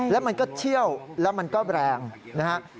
แล้วมันก็เชี่ยวแล้วมันก็แรงนะฮะ